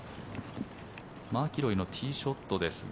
マキロイのティーショットですが。